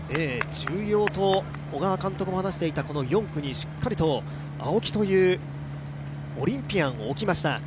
重要と小川監督も話していた４区にしっかりと青木というオリンピアンを置きました。